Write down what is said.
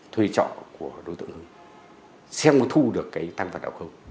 thuê trọ của đối tượng hưng xem có thu được cái tăng vật nào không